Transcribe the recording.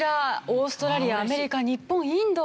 オーストラリアアメリカ日本インド。